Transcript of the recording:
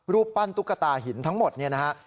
รูปปั้นตุ๊กตาหินทั้งหมดเนี่ยนะฮะ